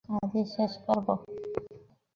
আজই শেষ করব।